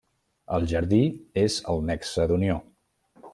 El jardí és el nexe d'unió.